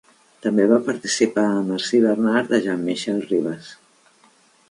També va participar a "Merci Bernard" de Jean-Michel Ribes.